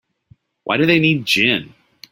Why do they need gin?